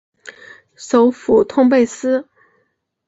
首府通贝斯。